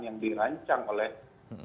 yang dirancang oleh kpu